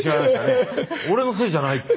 「俺のせいじゃない。